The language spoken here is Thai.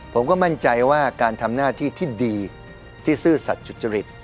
ผมก็มั่นใจว่าการทำหน้าที่ที่ดีที่ซื่อสัตว์สุจริต